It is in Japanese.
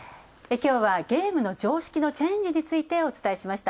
きょうは、ゲームの常識のチェンジ！についてお伝えしました。